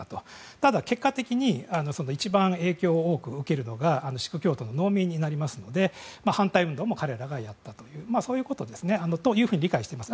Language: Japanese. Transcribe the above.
ただ、結果的に一番影響を多く受けるのはシーク教徒の農民になりますので反対運動も彼らがやったというそういうことだと理解しています。